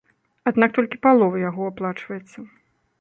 Аднак толькі палова яго аплачваецца.